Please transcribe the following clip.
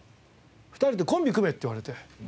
２人でコンビ組め！って言われて。